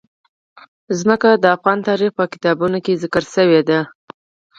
ځمکه د افغان تاریخ په کتابونو کې ذکر شوی دي.